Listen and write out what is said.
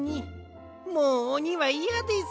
もうおにはいやです。